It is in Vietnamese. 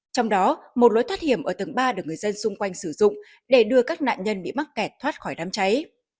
trong đó một lối thoát hiểm ở tầng ba được người dân xung quanh sử dụng để đưa các nạn nhân bị mắc kẹt thoát khỏi đám cháy